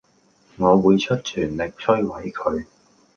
我會出全力摧毀佢